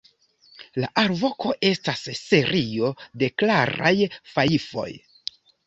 La alvoko estas serio de klaraj fajfoj.